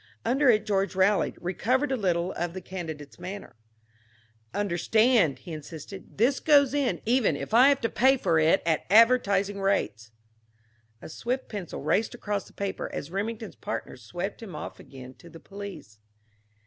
Under it George rallied, recovered a little of the candidate's manner. "Understand," he insisted. "This goes in even if I have to pay for it at advertising rates." A swift pencil raced across the paper as Remington's partner swept him off again to the police.